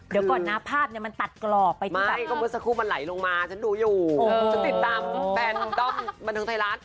เดี๋ยวก่อนนะภาพเนี่ยมันตัดกรอบไปจริงใช่ก็เมื่อสักครู่มันไหลลงมาฉันดูอยู่ฉันติดตามแฟนด้อมบันเทิงไทยรัฐ